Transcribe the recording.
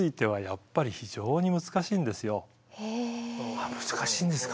だけど難しいんですか。